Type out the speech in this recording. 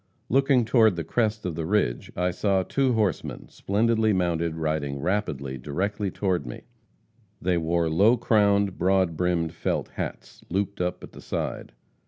Looking toward the crest of the ridge, I saw two horsemen, splendidly mounted, riding rapidly directly toward me. They wore low crowned, broad brimmed felt hats, looped up at the side.